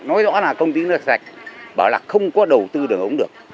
nói rõ là công ty nước sạch bảo là không có đầu tư được